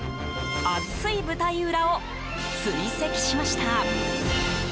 熱い舞台裏を追跡しました。